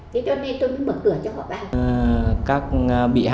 thì tôi cứ tưởng là tôi mua cao